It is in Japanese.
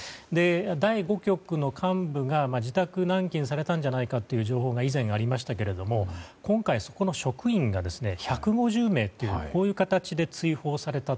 第５局の幹部が自宅軟禁されたのではないかという情報が以前ありましたけれども今回、そこの職員が１５０名という形で追放された。